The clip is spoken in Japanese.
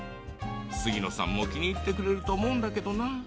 杉野さんも気に入ってくれると思うんだけどな。